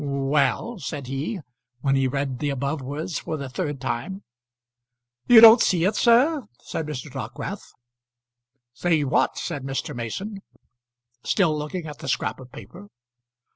"Well," said he, when he read the above words for the third time. "You don't see it, sir?" said Mr. Dockwrath. "See what?" said Mr. Mason, still looking at the scrap of paper.